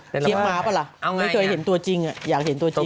แต่เทียบมาป่ะล่ะไม่เคยเห็นตัวจริงอยากเห็นตัวจริง